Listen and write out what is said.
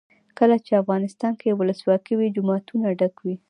کله چې افغانستان کې ولسواکي وي جوماتونه ډک وي.